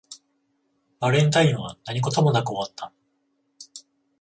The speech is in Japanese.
バレンタインは何事もなく終わった